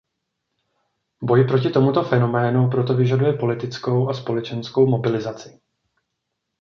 Boj proti tomuto fenoménu proto vyžaduje politickou a společenskou mobilizaci.